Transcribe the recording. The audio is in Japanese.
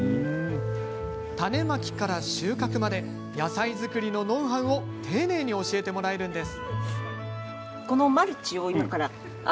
種まきから収穫まで野菜作りのノウハウを丁寧に教えてもらえるんです。